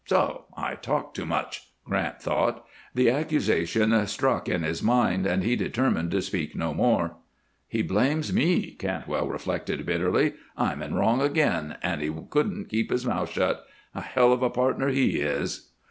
"So! I talk too much," Grant thought. The accusation struck in his mind and he determined to speak no more. "He blames me," Cantwell reflected, bitterly. "I'm in wrong again and he couldn't keep his mouth shut. A hell of a partner, he is!"